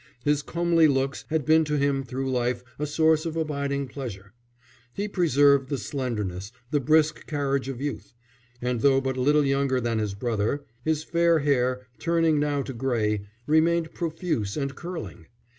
His comely looks had been to him through life a source of abiding pleasure. He preserved the slenderness, the brisk carriage of youth; and though but little younger than his brother, his fair hair, turning now to grey, remained profuse and curling.